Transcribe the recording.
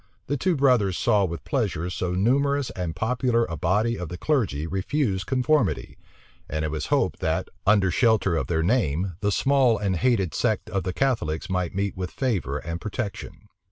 The two brothers saw with pleasure so numerous and popular a body of the clergy refuse conformity; and it was hoped that, under shelter of their name, the small and hated sect of the Catholics might meet with favor and protection.